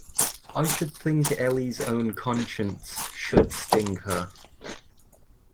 I should think Elly's own conscience should sting her.